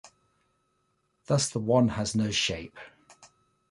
Thus the one has no shape.